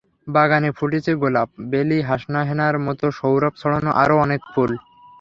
বাগানে ফুটেছে গোলাপ, বেলি, হাসনাহেনার মতো সৌরভ ছড়ানো আরও অনেক ফুল।